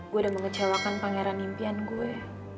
gue udah mengecewakan pangeran impian gue